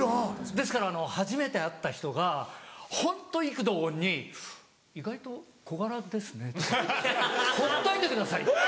ですから初めて会った人がホント異口同音に「意外と小柄ですね」ってほっといてください！